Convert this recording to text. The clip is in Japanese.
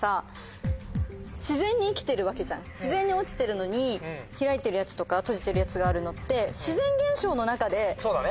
自然に落ちてるのに開いてるやつとか閉じてるやつがあるのって。